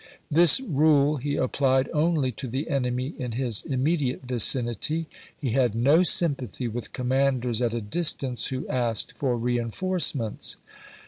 This rule he applied only to the enemy in his immediate vicinity. He had no sympathy with commanders at a distance who asked for reenforcements.